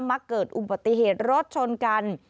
มาเกิดอุบัติเหตุรถชนกัน